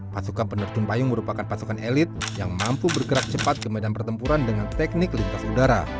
pasukan penerjun payung merupakan pasukan elit yang mampu bergerak cepat ke medan pertempuran dengan teknik lintas udara